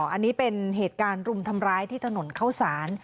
อันนี้เป็นเหตุการณ์รุมทำร้ายที่ถนนเข้าสาร